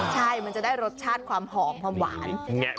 ใช่มันจะได้รสชาติความหอมความหวาน